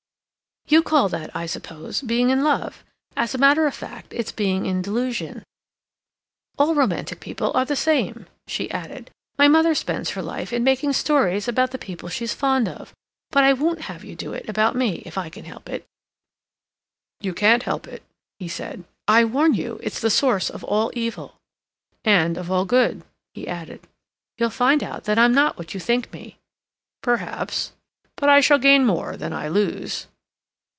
You call that, I suppose, being in love; as a matter of fact it's being in delusion. All romantic people are the same," she added. "My mother spends her life in making stories about the people she's fond of. But I won't have you do it about me, if I can help it." "You can't help it," he said. "I warn you it's the source of all evil." "And of all good," he added. "You'll find out that I'm not what you think me." "Perhaps. But I shall gain more than I lose."